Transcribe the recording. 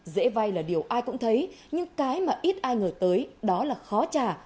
dễ vay là điều ai cũng thấy nhưng cái mà ít ai ngờ tới đó là khó trả